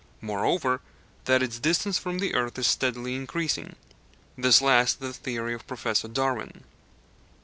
Moreover, that its distance from the earth is steadily increasing. This last is the theory of Professor G.H. Darwin.